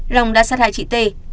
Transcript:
long đã sát hại chị tê